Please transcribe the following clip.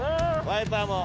ワイパーも。